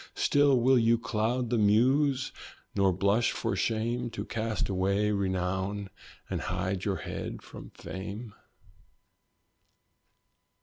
Still will you cloud the muse? nor blush for shame To cast away renown, and hide your head from fame?